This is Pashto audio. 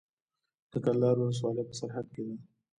د کلدار ولسوالۍ په سرحد کې ده